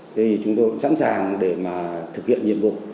thế thì chúng tôi sẵn sàng để mà thực hiện nhiệm vụ